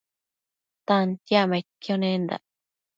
Tantiacmaidquio nendac